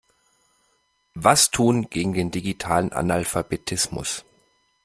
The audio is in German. Was tun gegen den digitalen Analphabetismus?